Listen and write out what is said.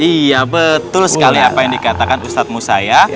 iya betul sekali apa yang dikatakan ustadz musaya